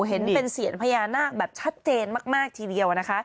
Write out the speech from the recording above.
เห็นเป็นเสียญพญานาคแบบชัดเจนมากทีเดียวนะคะ